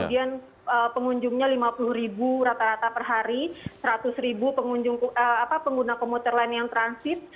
kemudian pengunjungnya lima puluh ribu rata rata per hari seratus ribu pengguna komuter lain yang transit